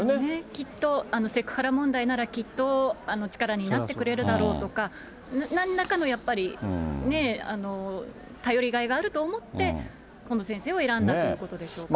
きっと、セクハラ問題ならきっと力になってくれるだろうとか、なんらかのやっぱりね、頼りがいがあると思って、この先生を選んだということでしょうから。